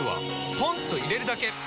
ポンと入れるだけ！